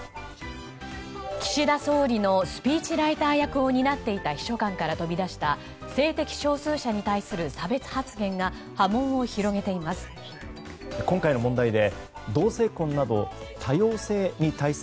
岸田総理のスピーチライター役を担っていた秘書官から飛び出した性的少数者に対する差別発言が波紋を広げています。